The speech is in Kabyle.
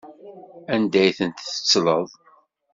Anda ay ten-tettleḍ?